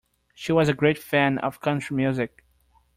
She was a great fan of country music